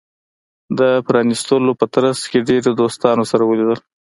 د پرانېستلو په ترڅ کې ډیرو دوستانو سره ولیدل.